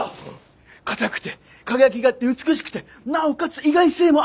硬くて輝きがあって美しくてなおかつ意外性もある。